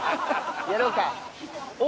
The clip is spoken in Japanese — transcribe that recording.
やろうか。